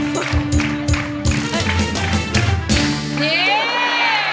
มันมัน